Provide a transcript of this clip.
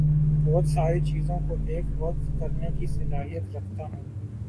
بہت ساری چیزوں کو بیک وقت کرنے کی صلاحیت رکھتا ہوں